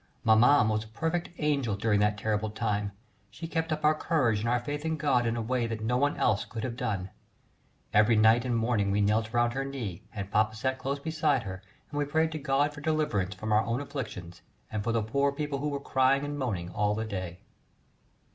Maman was a perfect angel during that terrible time: she kept up our courage and our faith in God in a way that no one else could have done. Every night and morning we knelt round her knee, and papa sat close beside her, and we prayed to God for deliverance from our own afflictions, and for the poor people who were crying and moaning all the day.